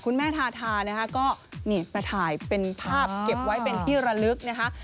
คุณแม่ทาทานะคะก็นี่มาถ่ายเป็นภาพเก็บไว้เป็นที่ระลึกนะคะ